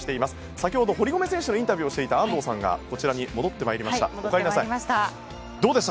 先ほど堀米選手のインタビューをしていた安藤さんがこちらに戻ってまいりました。